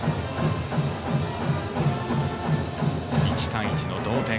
１対１の同点。